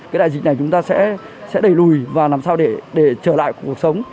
cái đại dịch này chúng ta sẽ đẩy lùi và làm sao để trở lại cuộc sống